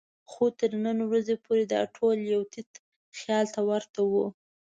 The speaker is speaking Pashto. خو تر نن ورځې پورې دا ټول یو تت خیال ته ورته وو.